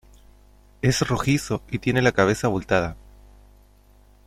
es rojizo y tiene la cabeza abultada